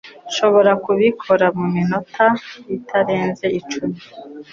Nshobora kubikora mu minota itarenze icumi.